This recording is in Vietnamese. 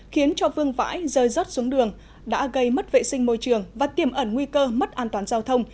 khiến cho vương vãi rơi rớt xuống đường đã gây mất vệ sinh môi trường và tiềm ẩn nguy cơ mất an toàn giao thông